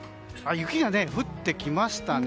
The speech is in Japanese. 雪が降ってきましたね。